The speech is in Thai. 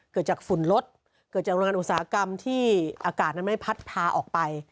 เกิดจากฝุ่นลดเกิดจากโรงงานอุตสาหกรรมที่อากาศนั้นไม่พัดพาออกไป